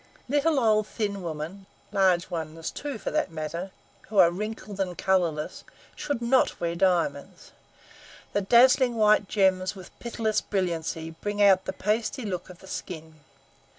Little old thin women, large ones too, for that matter, who are wrinkled and colorless, should not wear diamonds. The dazzling white gems with pitiless brilliancy bring out the pasty look of the skin.